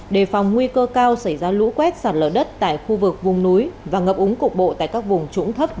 đề phòng nguy cơ cao xảy ra lũ quét sạt lở đất tại khu vực vùng núi và ngập úng cục bộ tại các vùng trũng thấp